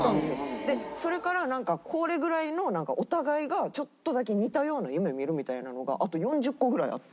でそれからなんかこれぐらいのお互いがちょっとだけ似たような夢見るみたいなのがあと４０個ぐらいあって。